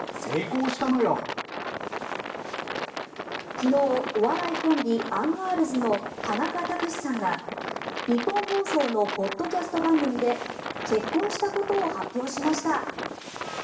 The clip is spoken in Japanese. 昨日お笑いコンビアンガールズの田中卓志さんがニッポン放送のポッドキャスト番組で結婚したことを発表しました。